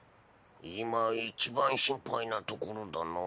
今いちばん心配なところだな。